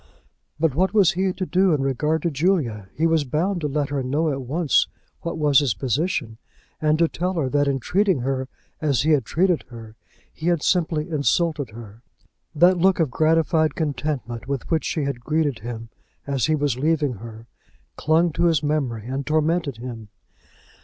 But what was he to do in regard to Julia? He was bound to let her know at once what was his position, and to tell her that in treating her as he had treated her, he had simply insulted her. That look of gratified contentment with which she had greeted him as he was leaving her, clung to his memory and tormented him.